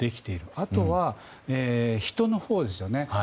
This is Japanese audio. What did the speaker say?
あとは、人のほうですよね。